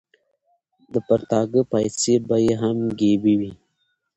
د پرتاګه پایڅې به یې هم ګیبي وې.